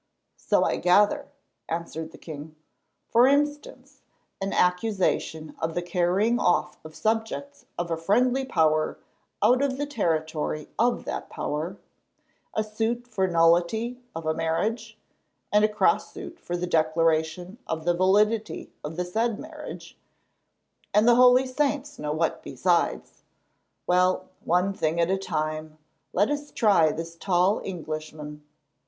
"So I gather," answered the king; "for instance, an accusation of the carrying off of subjects of a friendly Power out of the territory of that Power; a suit for nullity of a marriage, and a cross suit for the declaration of the validity of the said marriage—and the holy saints know what besides. Well, one thing at a time. Let us try this tall Englishman."